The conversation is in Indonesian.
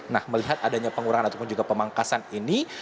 nah melihat adanya pengurangan ataupun juga pemangkasan ini